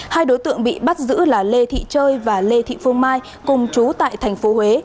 hai đối tượng bị bắt giữ là lê thị trơi và lê thị phương mai cùng chú tại tp huế